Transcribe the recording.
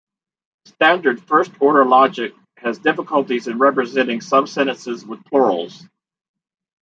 Standard first order logic has difficulties in representing some sentences with plurals.